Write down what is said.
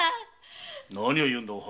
何を言うんだお春。